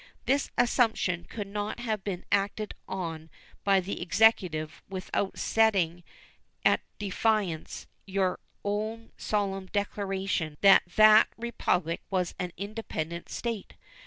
This assumption could not have been acted on by the Executive without setting at defiance your own solemn declaration that that Republic was an independent State.